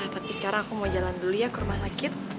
tapi sekarang aku mau jalan dulu ya ke rumah sakit